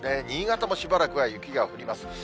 新潟もしばらくは雪が降ります。